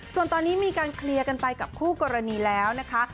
ส่วนตอนนี้มีการเคลียร์กันไปกับคู่กรณีแล้วนะคะ